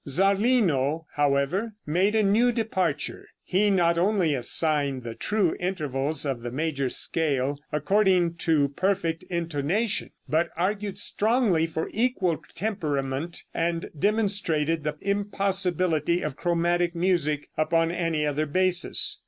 Zarlino, however, made a new departure. He not only assigned the true intervals of the major scale, according to perfect intonation, but argued strongly for equal temperament, and demonstrated the impossibility of chromatic music upon any other basis.